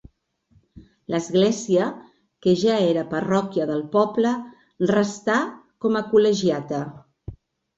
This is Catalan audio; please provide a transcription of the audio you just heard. L'església, que ja era parròquia del poble, restà com a col·legiata.